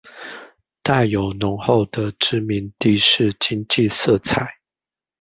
帶有濃厚的殖民地式經濟色彩